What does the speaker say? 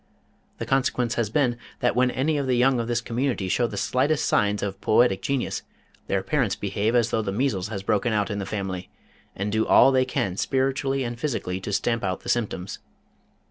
The consequence has been that when any of the young of this community show the slightest signs of poetic genius their parents behave as though the measles had broken out in the family, and do all they can spiritually and physically to stamp out the symptoms.